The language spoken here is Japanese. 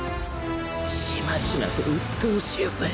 ちまちまとうっとうしいぜ